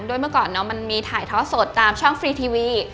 เมื่อก่อนมันมีถ่ายทอดสดตามช่องฟรีทีวี